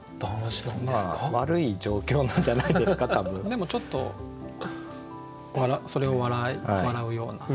でもちょっとそれを笑うような。